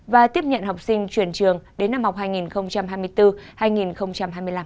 và tiếp nhận học sinh chuyển trường đến năm học hai nghìn hai mươi bốn hai nghìn hai mươi năm